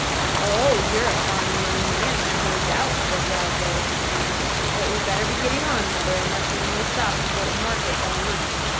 "Oh, you're a fine young man. I've no doubt," said Roswell, with a sneer. "But we'd better be getting on, mother, unless you mean to stop in Fulton Market all night."